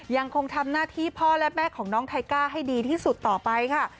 ยังคงทำหน้าที่พ่อและแม่ของน้องไทก้าให้ดีที่สุดต่อไปค่ะ